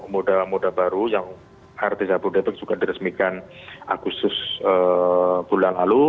moda moda baru yang rt jabodebek juga diresmikan agustus bulan lalu